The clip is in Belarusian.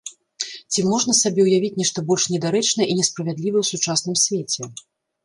Ці можна сабе ўявіць нешта больш недарэчнае і несправядлівае ў сучасным свеце?